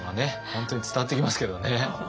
本当に伝わってきますけどね。